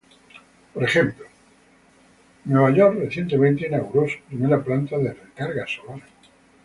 Por ejemplo, Nueva York recientemente inauguró su primera planta de recarga solar.